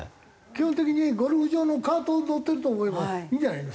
基本的にゴルフ場のカートに乗ってると思えばいいんじゃないの？